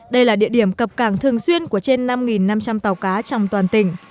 đây là địa điểm cập cảng thường xuyên của trên năm năm trăm linh tàu cá trong toàn tỉnh